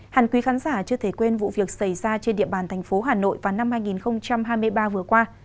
hẳn quý khán giả chưa thể quên vụ việc xảy ra trên địa bàn thành phố hà nội vào năm hai nghìn hai mươi ba vừa qua